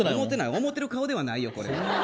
思ってる顔ではないよ。